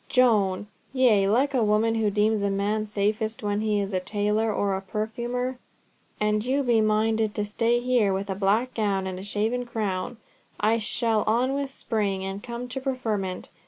"Joan! Yea, like a woman, who deems a man safest when he is a tailor, or a perfumer. An you be minded to stay here with a black gown and a shaven crown, I shall on with Spring and come to preferment.